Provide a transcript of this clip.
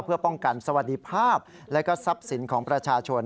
เพื่อป้องกันสวัสดีภาพและก็ทรัพย์สินของประชาชน